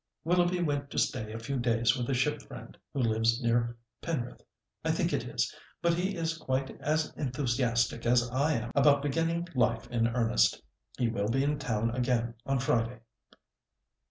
"Willoughby went to stay a few days with a ship friend, who lives near Penrith, I think it is, but he is quite as enthusiastic as I am about beginning life in earnest. He will be in town again on Friday."